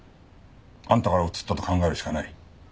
あんたからうつったと考えるしかない。